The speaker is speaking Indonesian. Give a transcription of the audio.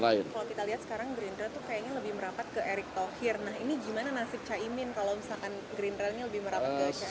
kalau kita lihat sekarang gerindra tuh kayaknya lebih merapat ke erick thohir nah ini gimana nasib caimin kalau misalkan gerindra ini lebih merapat ke cawapres